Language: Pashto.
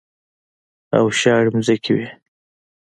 او شاړې ځمکې وې.